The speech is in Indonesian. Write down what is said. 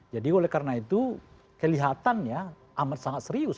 jadi oleh karena itu kelihatannya amat sangat serius